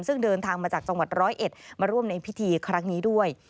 ซึ่งเดินทางมาจากจังหวัดร้อยเอ็ดมาร่วมในพิธีครั้งนี้ด้วย